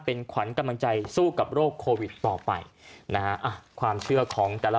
เป็นขวัญกำลังใจสู้กับโรคโควิดต่อไปนะฮะอ่ะความเชื่อของแต่ละ